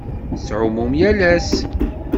Tettɛummum yal ass?